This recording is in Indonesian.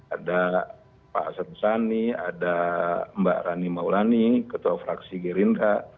ada pak hasan sani ada mbak rani maulani ketua fraksi girindra